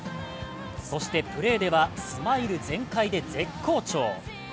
そして、プレーではスマイル全開で絶好調。